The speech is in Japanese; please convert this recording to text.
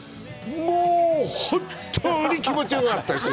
もう本当に気持ちよかったです！